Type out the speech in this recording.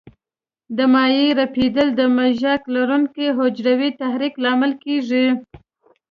د مایع رپېدل د مژک لرونکو حجرو تحریک لامل کېږي.